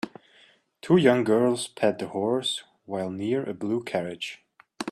Two young girls pet a horse while near a blue Carriage.